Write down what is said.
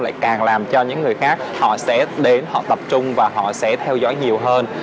lại càng làm cho những người khác họ sẽ đến họ tập trung và họ sẽ theo dõi nhiều hơn